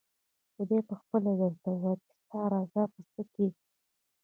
خدای پخپله درته ووايي چې ستا رضا په څه کې ده؟